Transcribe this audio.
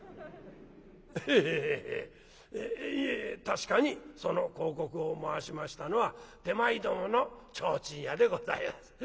「エヘヘヘいえいえ確かにその広告を回しましたのは手前どもの提灯屋でございます。